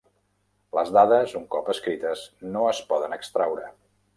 Les dades, un cop escrites, no es poden extraure.